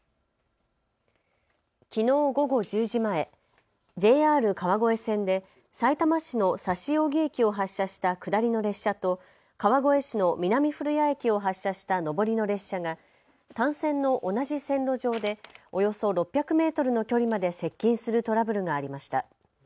きのう午後１０時前、ＪＲ川越線でさいたま市の指扇駅を発車した下りの列車と川越市の南古谷駅を発車した上りの列車が単線の同じ線路上でおよそ６００メートルの距離まで接近するトラブルがありました。